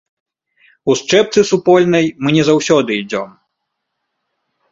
У счэпцы супольнай мы не заўсёды ідзём.